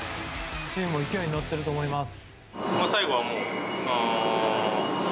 チームも勢いに乗っていると思います。